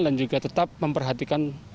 dan juga tetap memperhatikan